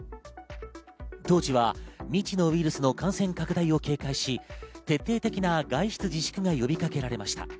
当時は未知のウイルスの感染拡大を警戒し、徹底的な外出自粛が呼びかけられました。